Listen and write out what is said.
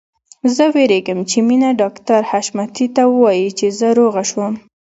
زه وېرېږم چې مينه ډاکټر حشمتي ته ووايي چې زه روغه شوم